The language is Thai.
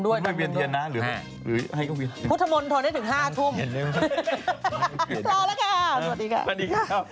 วันนี้พวกเราลาละเบิ้